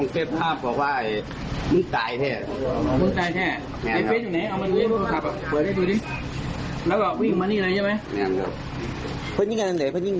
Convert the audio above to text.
พี่ชายก็วิ่งมานี่หน่อยใช่ไหม